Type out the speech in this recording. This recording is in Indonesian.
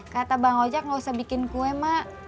kata bang ojek nggak usah bikin kue mak